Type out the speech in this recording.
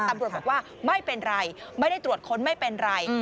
ตำรวจบอกว่าไม่เป็นไรไม่ได้ตรวจค้นไม่เป็นไร